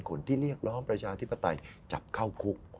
คนที่เรียกร้องประชาธิปไตยจับเข้าคุก